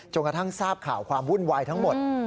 กระทั่งทราบข่าวความวุ่นวายทั้งหมด